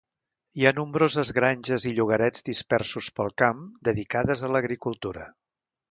Hi ha nombroses granges i llogarets dispersos pel camp, dedicades a l'agricultura.